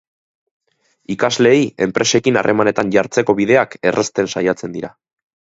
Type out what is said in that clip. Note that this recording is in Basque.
Ikasleei enpresekin harremanetan jartzeko bideak errazten saiatzen dira.